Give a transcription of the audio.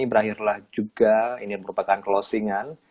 ini berakhirlah juga ini merupakan closing an